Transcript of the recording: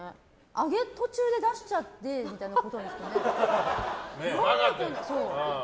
揚げ途中で出しちゃってみたいなことですかね。